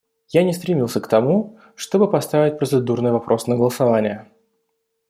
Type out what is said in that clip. Я не стремился к тому, чтобы поставить процедурный вопрос на голосование.